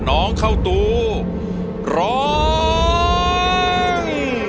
น้องเข้าตูร้อง